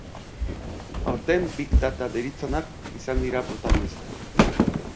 Aurten, big data deritzonak izan dira protagonista.